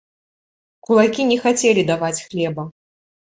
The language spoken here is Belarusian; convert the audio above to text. Кулакі не хацелі даваць хлеба.